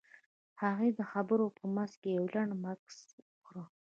هغې د خبرو په منځ کې يو لنډ مکث وکړ.